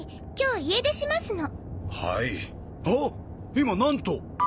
今なんと？